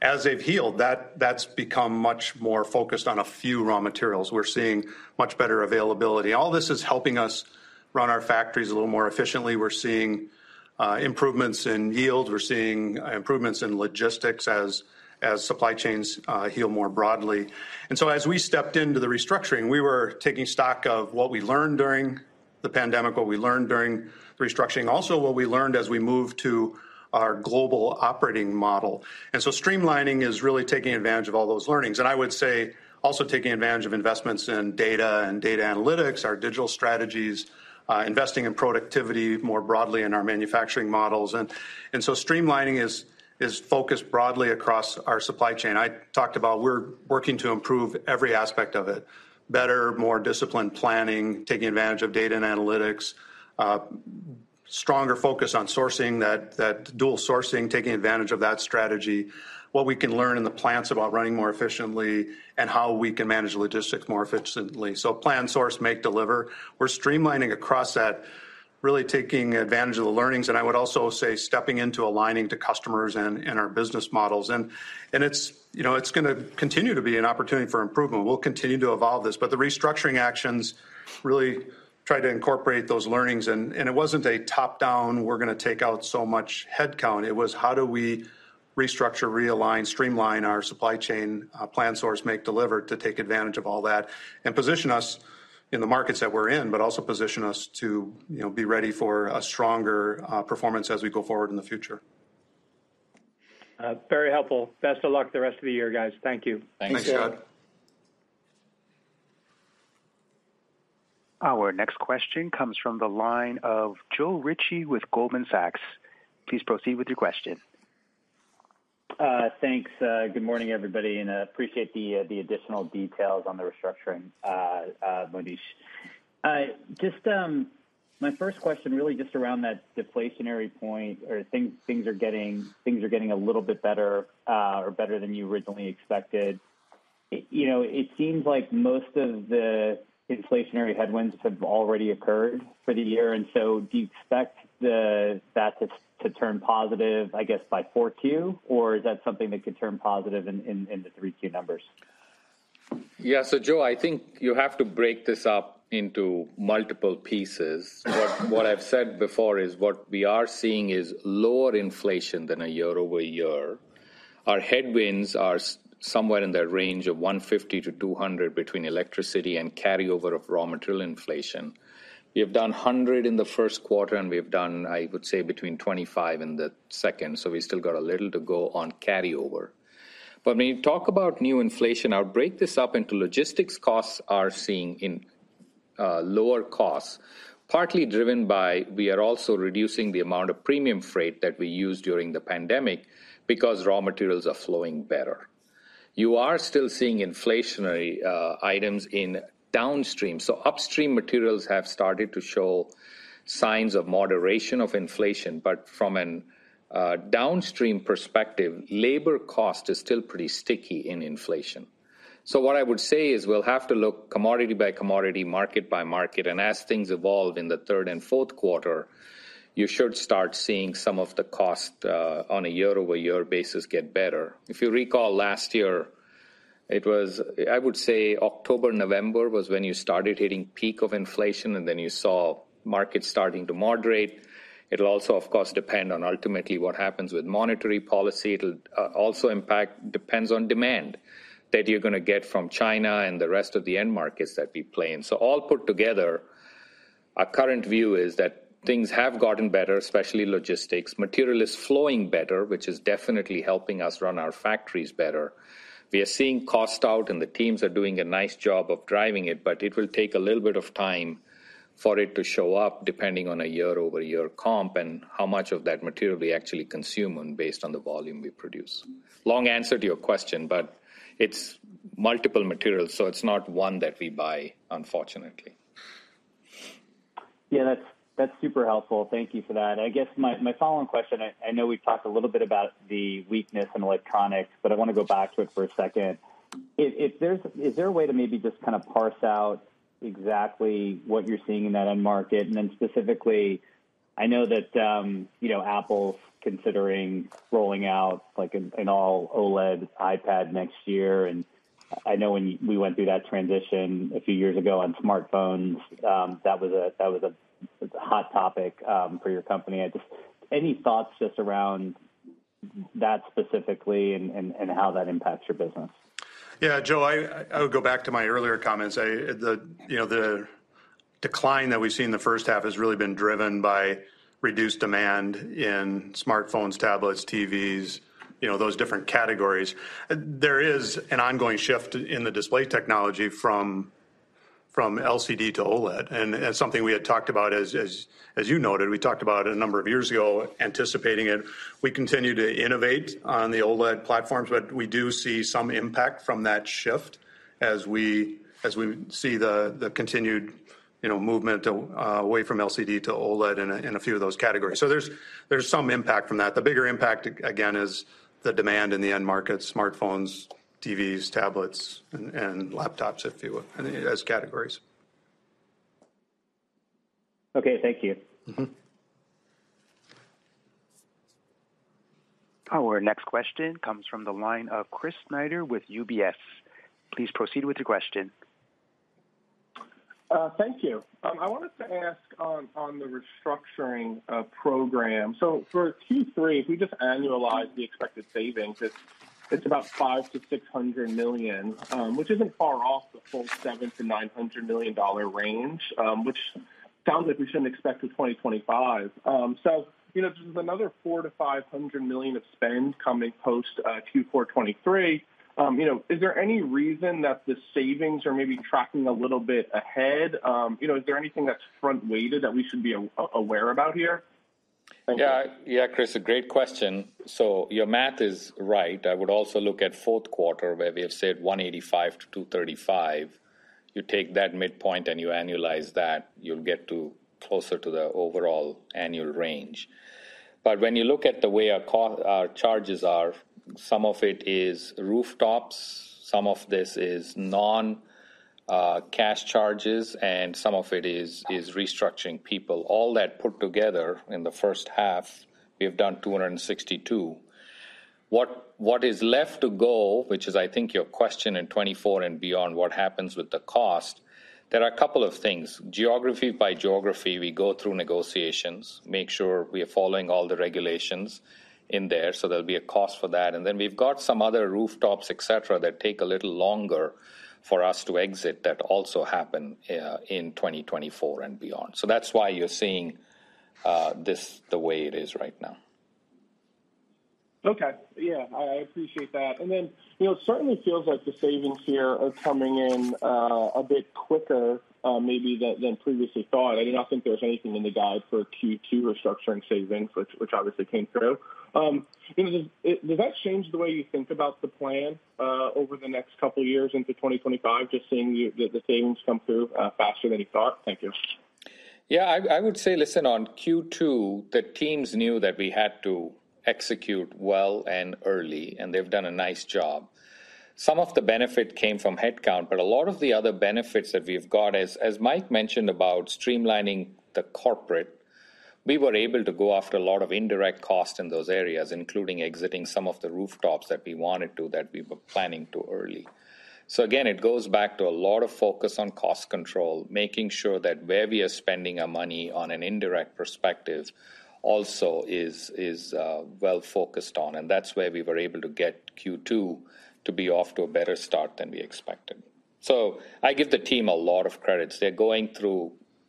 As they've healed, that's become much more focused on a few raw materials. We're seeing much better availability. All this is helping us run our factories a little more efficiently. We're seeing improvements in yield, we're seeing improvements in logistics as supply chains heal more broadly. As we stepped into the restructuring, we were taking stock of what we learned during the pandemic, what we learned during the restructuring, also what we learned as we moved to our global operating model. Streamlining is really taking advantage of all those learnings. And I would say, also taking advantage of investments in data and data analytics, our digital strategies, investing in productivity more broadly in our manufacturing models. Streamlining is focused broadly across our supply chain. I talked about we're working to improve every aspect of it. Better, more disciplined planning, taking advantage of data and analytics, stronger focus on sourcing, that dual sourcing, taking advantage of that strategy, what we can learn in the plants about running more efficiently, and how we can manage logistics more efficiently. Plan, source, make, deliver. We're streamlining across that, really taking advantage of the learnings, and I would also say stepping into aligning to customers and our business models. It's, you know, it's gonna continue to be an opportunity for improvement. We'll continue to evolve this, but the restructuring actions really try to incorporate those learnings, and it wasn't a top-down, we're gonna take out so much headcount. It was, how do we restructure, realign, streamline our supply chain, plan, source, make, deliver, to take advantage of all that, and position us in the markets that we're in, but also position us to, you know, be ready for a stronger performance as we go forward in the future. Very helpful. Best of luck the rest of the year, guys. Thank you. Thanks. Thanks, Scott. Our next question comes from the line of Joe Ritchie with Goldman Sachs. Please proceed with your question. Thanks. Good morning, everybody. Appreciate the additional details on the restructuring, Monish. My first question, really just around that deflationary point, or things are getting a little bit better, or better than you originally expected. You know, it seems like most of the inflationary headwinds have already occurred for the year, do you expect that to turn positive, I guess, by 4Q, or is that something that could turn positive in the 3Q numbers? Yeah. Joe, I think you have to break this up into multiple pieces. What I've said before is what we are seeing is lower inflation than a year-over-year. Our headwinds are somewhere in the range of $150-$200 between electricity and carryover of raw material inflation. We have done $100 in the first quarter, and we have done, I would say, between $25 in the second, so we still got a little to go on carryover. When you talk about new inflation, I'll break this up into logistics costs are seeing lower costs, partly driven by we are also reducing the amount of premium freight that we used during the pandemic because raw materials are flowing better. You are still seeing inflationary items in downstream. Upstream materials have started to show signs of moderation of inflation, but from a downstream perspective, labor cost is still pretty sticky in inflation. What I would say is we'll have to look commodity by commodity, market by market, and as things evolve in the third and fourth quarter, you should start seeing some of the cost on a year-over-year basis get better. If you recall, last year, it was, I would say October, November, was when you started hitting peak of inflation, and then you saw markets starting to moderate. It will also, of course, depend on ultimately what happens with monetary policy. It'll also depend on demand that you're going to get from China and the rest of the end markets that we play in. All put together, our current view is that things have gotten better, especially logistics. Material is flowing better, which is definitely helping us run our factories better. We are seeing cost out, the teams are doing a nice job of driving it will take a little bit of time for it to show up, depending on a year-over-year comp and how much of that material we actually consume and based on the volume we produce. Long answer to your question, it's multiple materials, it's not one that we buy, unfortunately. That's, that's super helpful. Thank you for that. I guess my following question, I know we've talked a little bit about the weakness in electronics, but I want to go back to it for a second. Is there a way to maybe just kind of parse out exactly what you're seeing in that end market? Specifically, I know that, you know, Apple's considering rolling out, like, an all OLED iPad next year, and I know when we went through that transition a few years ago on smartphones, it's a hot topic for your company. Any thoughts just around that specifically and how that impacts your business? Yeah, Joe, I would go back to my earlier comments. You know, the decline that we've seen in the first half has really been driven by reduced demand in smartphones, tablets, TVs, you know, those different categories. There is an ongoing shift in the display technology from LCD to OLED, as something we had talked about as you noted, we talked about it a number of years ago, anticipating it. We continue to innovate on the OLED platforms, we do see some impact from that shift as we see the continued, you know, movement away from LCD to OLED in a few of those categories. There's some impact from that. The bigger impact, again, is the demand in the end markets, smartphones, TVs, tablets, and laptops, if you will, as categories. Okay, thank you. Mm-hmm. Our next question comes from the line of Chris Snyder with UBS. Please proceed with your question. Thank you. I wanted to ask on the restructuring program. For Q3, if we just annualize the expected savings, it's about $500 million-$600 million, which isn't far off the full $700 million-$900 million range, which sounds like we shouldn't expect till 2025. So, you know, this is another $400 million-$500 million of spend coming post Q4 2023. You know, is there any reason that the savings are maybe tracking a little bit ahead? You know, is there anything that's front-weighted that we should be aware about here? Chris, a great question. Your math is right. I would also look at fourth quarter, where we have said $185-$235. You take that midpoint and you annualize that, you'll get to closer to the overall annual range. When you look at the way our charges are, some of it is rooftops, some of this is non-cash charges, and some of it is restructuring people. All that put together in the first half, we've done $262. What is left to go, which is, I think, your question in 2024 and beyond, what happens with the cost? There are a couple of things. Geography by geography, we go through negotiations, make sure we are following all the regulations in there, so there'll be a cost for that. We've got some other rooftops, et cetera, that take a little longer for us to exit that also happen in 2024 and beyond. That's why you're seeing this the way it is right now. Okay. Yeah, I appreciate that. You know, it certainly feels like the savings here are coming in a bit quicker, maybe than previously thought. I do not think there's anything in the guide for Q2 restructuring savings, which obviously came through. Did that change the way you think about the plan over the next two years into 2025, just seeing the savings come through faster than you thought? Thank you. I would say, listen, on Q2, the teams knew that we had to execute well and early, and they've done a nice job. Some of the benefit came from headcount, a lot of the other benefits that we've got, as Mike mentioned, about streamlining the corporate, we were able to go after a lot of indirect costs in those areas, including exiting some of the rooftops that we wanted to, that we were planning to early. Again, it goes back to a lot of focus on cost control, making sure that where we are spending our money on an indirect perspective also is well focused on, that's where we were able to get Q2 to be off to a better start than we expected. I give the team a lot of credits.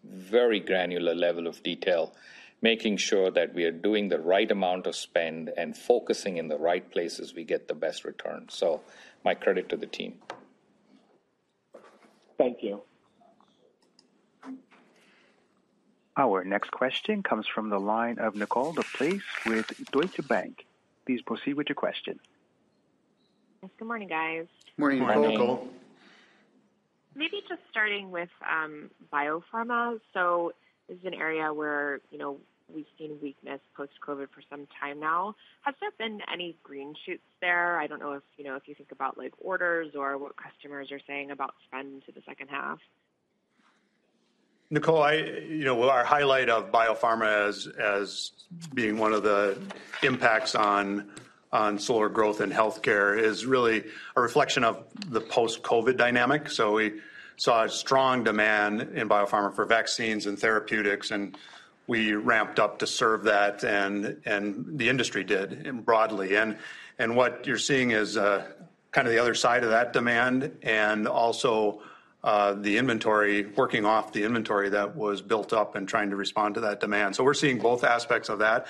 very granular level of detail, making sure that we are doing the right amount of spend and focusing in the right places we get the best return. My credit to the team. Thank you. Our next question comes from the line of Nicole DeBlase with Deutsche Bank. Please proceed with your question. Good morning, guys. Morning, Nicole. Morning. Maybe just starting with biopharma. This is an area where, you know, we've seen weakness post-COVID for some time now. Has there been any green shoots there? I don't know if, you know, if you think about, like, orders or what customers are saying about spend to the second half. Nicole, you know, our highlight of biopharma as being one of the impacts on slower growth in Health Care is really a reflection of the post-COVID dynamic. We saw a strong demand in biopharma for vaccines and therapeutics, and we ramped up to serve that, and the industry did broadly. What you're seeing is kind of the other side of that demand, and also the inventory, working off the inventory that was built up and trying to respond to that demand. We're seeing both aspects of that.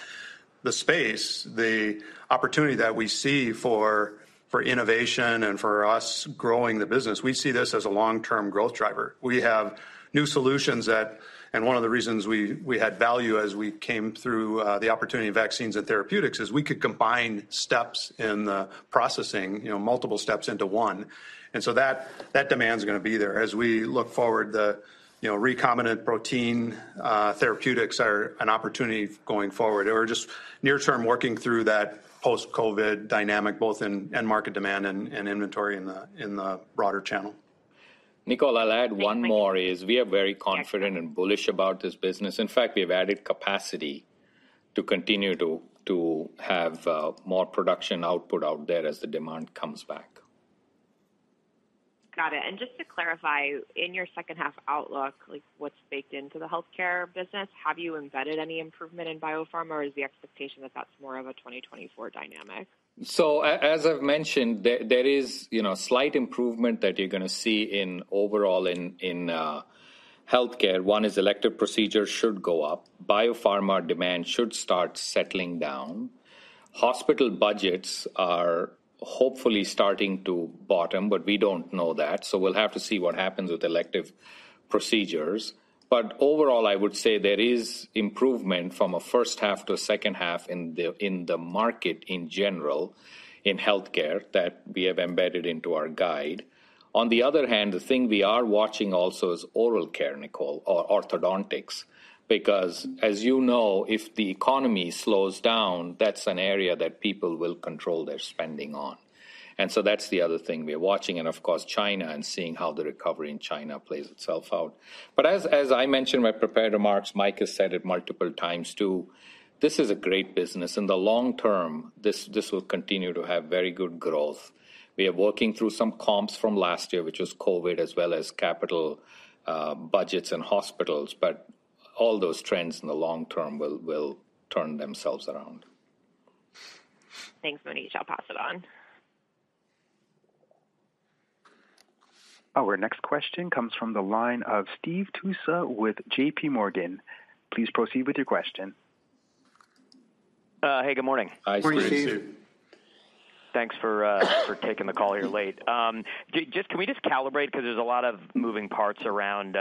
The space, the opportunity that we see for innovation and for us growing the business, we see this as a long-term growth driver. We have new solutions that, one of the reasons we had value as we came through the opportunity in vaccines and therapeutics, is we could combine steps in the processing, you know, multiple steps into one, that demand's gonna be there. As we look forward, you know, recombinant protein therapeutics are an opportunity going forward. We're just near term working through that post-COVID dynamic, both in end market demand and inventory in the broader channel. Nicole, I'll add one more, is we are very confident and bullish about this business. In fact, we've added capacity to continue to have more production output out there as the demand comes back. Got it. Just to clarify, in your second half outlook, like, what's baked into the Health Care business, have you embedded any improvement in biopharma, or is the expectation that that's more of a 2024 dynamic? As I've mentioned, there is, you know, slight improvement that you're gonna see in overall in Health Care. One is elective procedures should go up. Biopharma demand should start settling down. Hospital budgets are hopefully starting to bottom, but we don't know that, so we'll have to see what happens with elective procedures. Overall, I would say there is improvement from a first half to a second half in the market in general, in Health Care, that we have embedded into our guide. On the other hand, the thing we are watching also is oral care, Nicole, or orthodontics, because, as you know, if the economy slows down, that's an area that people will control their spending on. That's the other thing we are watching, and of course, China, and seeing how the recovery in China plays itself out. As I mentioned in my prepared remarks, Mike has said it multiple times, too, this is a great business. In the long term, this will continue to have very good growth. We are working through some comps from last year, which was COVID, as well as capital budgets and hospitals, but all those trends in the long term will turn themselves around. Thanks, Manish. I'll pass it on. Our next question comes from the line of Steve Tusa with JPMorgan. Please proceed with your question. Hey, good morning. Hi, Steve. Morning, Steve. Thanks for taking the call here late. Can we just calibrate? There's a lot of moving parts around,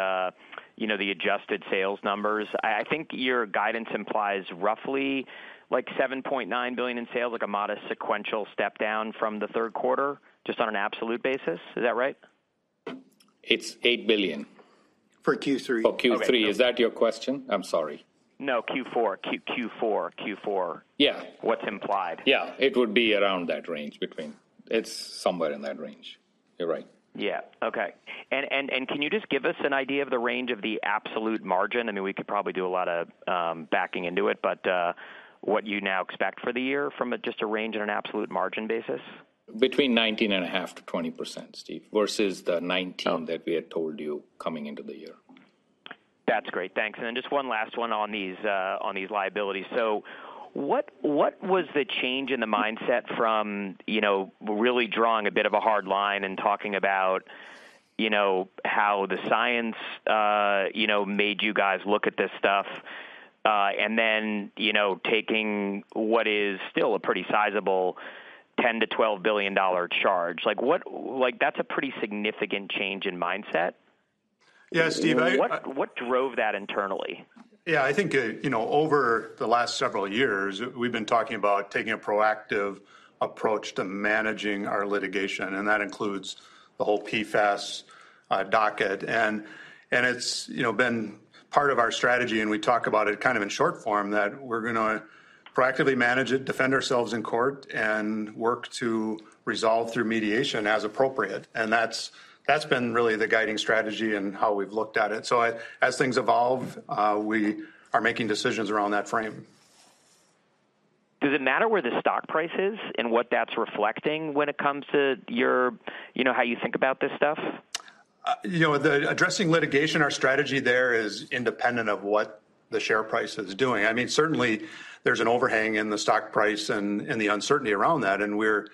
you know, the adjusted sales numbers. I think your guidance implies roughly like $7.9 billion in sales, like a modest sequential step down from the third quarter, just on an absolute basis. Is that right? It's $8 billion. For Q3. For Q3. Okay. Is that your question? I'm sorry. No, Q4. Q4. Yeah. What's implied. It would be around that range between. It's somewhere in that range. You're right. Yeah. Okay. Can you just give us an idea of the range of the absolute margin? I mean, we could probably do a lot of backing into it, but what you now expect for the year from a just a range and an absolute margin basis? Between 19.5%-20%, Steve, versus the. Oh that we had told you coming into the year. That's great. Thanks. Just one last one on these, on these liabilities. What was the change in the mindset from, you know, really drawing a bit of a hard line and talking about, you know, how the science, you know, made you guys look at this stuff, and then, you know, taking what is still a pretty sizable $10 billion-$12 billion charge? Like, that's a pretty significant change in mindset. Yeah, Steve. What drove that internally? Yeah, I think, you know, over the last several years, we've been talking about taking a proactive approach to managing our litigation, and that includes the whole PFAS docket. It's, you know, been part of our strategy, and we talk about it kind of in short form, that we're gonna proactively manage it, defend ourselves in court, and work to resolve through mediation as appropriate, and that's been really the guiding strategy in how we've looked at it. As things evolve, we are making decisions around that frame. Does it matter where the stock price is and what that's reflecting when it comes to you know, how you think about this stuff? You know, the addressing litigation, our strategy there is independent of what the share price is doing. I mean, certainly there's an overhang in the stock price and the uncertainty around that, and we're,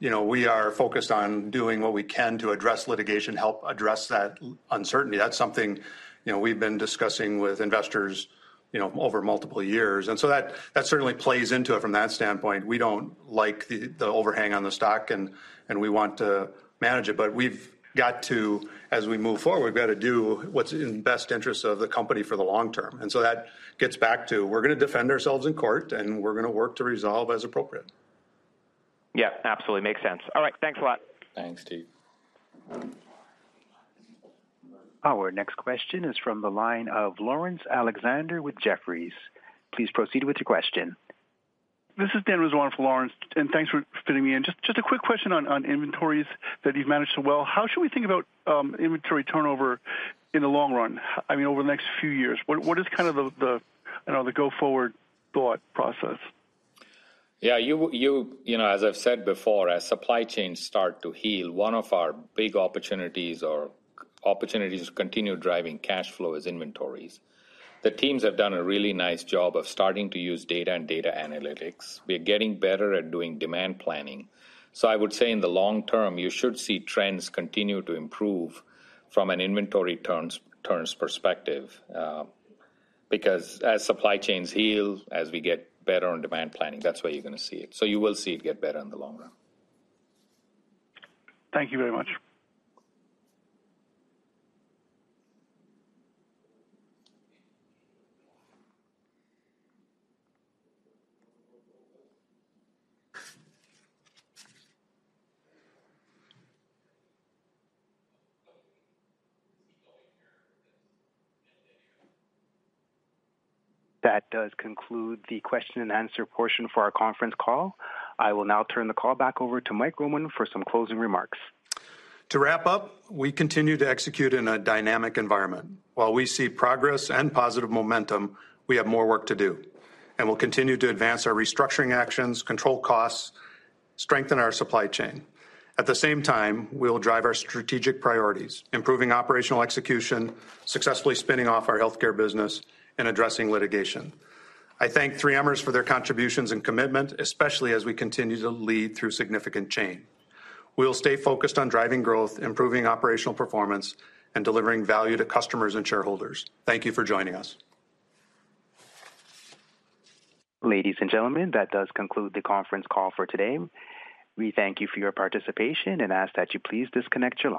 you know, we are focused on doing what we can to address litigation, help address that uncertainty. That's something, you know, we've been discussing with investors, you know, over multiple years. That, that certainly plays into it from that standpoint. We don't like the overhang on the stock, and we want to manage it. We've got to, as we move forward, we've got to do what's in the best interest of the company for the long term. That gets back to we're gonna defend ourselves in court, and we're gonna work to resolve as appropriate. Yeah, absolutely. Makes sense. All right, thanks a lot. Thanks, Steve. Our next question is from the line of Laurence Alexander with Jefferies. Please proceed with your question. This is Dan on for Laurence. Thanks for fitting me in. Just a quick question on inventories that you've managed so well. How should we think about inventory turnover in the long run, I mean, over the next few years? What is kind of the, you know, the go-forward thought process? You know, as I've said before, as supply chains start to heal, one of our big opportunities or opportunities to continue driving cash flow is inventories. The teams have done a really nice job of starting to use data and data analytics. We are getting better at doing demand planning. I would say in the long term, you should see trends continue to improve from an inventory terms perspective, because as supply chains heal, as we get better on demand planning, that's where you're gonna see it. You will see it get better in the long run. Thank you very much. That does conclude the question-and-answer portion for our conference call. I will now turn the call back over to Mike Roman for some closing remarks. To wrap up, we continue to execute in a dynamic environment. While we see progress and positive momentum, we have more work to do. We'll continue to advance our restructuring actions, control costs, strengthen our supply chain. At the same time, we will drive our strategic priorities, improving operational execution, successfully spinning off our Health Care business, and addressing litigation. I thank 3Mers for their contributions and commitment, especially as we continue to lead through significant change. We will stay focused on driving growth, improving operational performance, and delivering value to customers and shareholders. Thank you for joining us. Ladies and gentlemen, that does conclude the conference call for today. We thank you for your participation and ask that you please disconnehect your line.